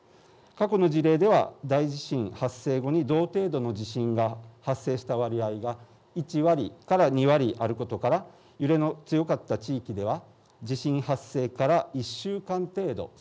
過去の事例では大地震発生後に同程度の地震が発生した割合が１割から２割あることから揺れの強かった地域では地震発生から１週間程度。